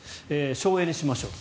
省エネしましょう。